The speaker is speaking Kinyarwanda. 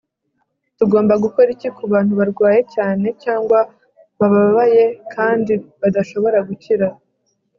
tugomba gukora iki kubantu barwaye cyane cyangwa bababaye kandi badashobora gukira